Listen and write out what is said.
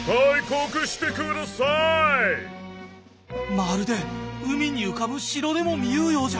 まるで海に浮かぶ城でも見ゆうようじゃ。